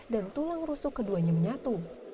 dan tulang rusuk keduanya menyatu